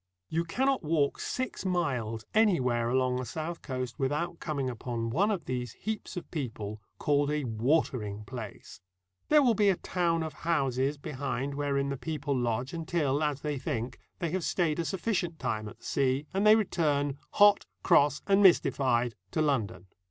You cannot walk six miles anywhere along the south coast without coming upon one of these heaps of people, called a watering place. There will be a town of houses behind wherein the people lodge, until, as they think, they have stayed a sufficient time at the sea, and they return, hot, cross, and mystified, to London.